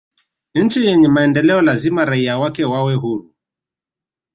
nchi yenye maendeleo lazima raia wake wawe huru